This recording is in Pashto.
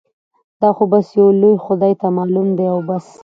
دا خو بس يو لوی خدای ته معلوم دي او بس.